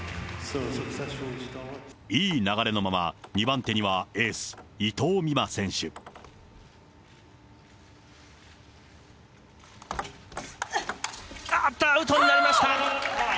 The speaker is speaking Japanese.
いい流れのまま、２番手にはエーあっと、アウトになりました。